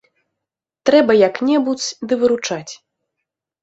Трэба як-небудзь ды выручаць.